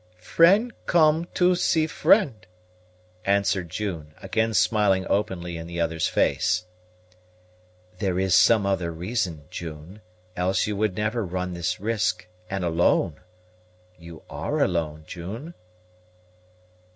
"Friend come to see friend," answered June, again smiling openly in the other's face. "There is some other reason, June, else would you never run this risk, and alone. You are alone, June?"